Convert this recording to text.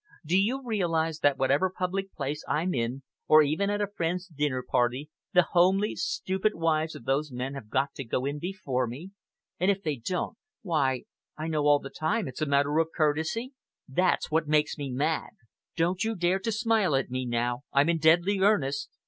Do you realize that whatever public place I'm in, or even at a friend's dinner party, the homely, stupid wives of those men have got to go in before me, and if they don't why I know all the time it's a matter of courtesy? That's what makes me mad! Don't you dare to smile at me now. I'm in deadly earnest.